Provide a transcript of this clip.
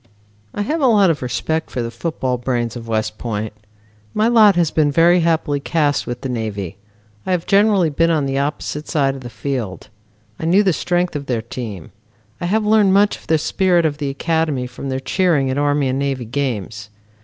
I have a lot of respect for the football brains of West Point. My lot has been very happily cast with the Navy. I have generally been on the opposite side of the field. I knew the strength of their team. I have learned much of the spirit of the academy from their cheering at Army and Navy games.